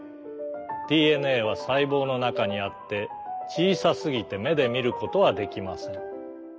ＤＮＡはさいぼうのなかにあってちいさすぎてめでみることはできません。